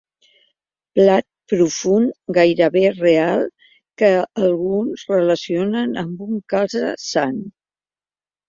Plat profund gairebé real que alguns relacionen amb un calze sant.